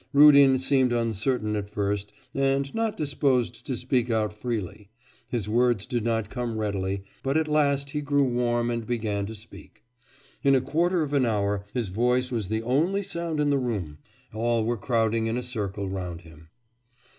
Rudin seemed uncertain at first, and not disposed to speak out freely; his words did not come readily, but at last he grew warm and began to speak. In a quarter of an hour his voice was the only sound in the room, All were crowding in a circle round him.